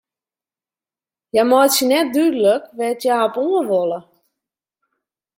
Hja meitsje net dúdlik wêr't hja op oan wolle.